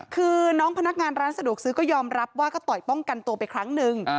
คือน้องพนักงานร้านสะดวกซื้อก็ยอมรับว่าก็ต่อยป้องกันตัวไปครั้งนึง